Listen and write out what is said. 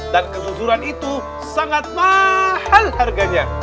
dan kesusuran itu sangat mahal harganya